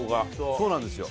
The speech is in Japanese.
そうなんですよ。